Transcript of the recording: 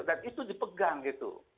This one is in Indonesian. dan itu dipegang gitu